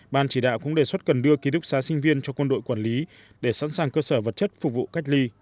ban chỉ đạo cũng đề xuất cần đưa ký túc xá sinh viên cho quân đội quản lý để sẵn sàng cơ sở vật chất phục vụ cách ly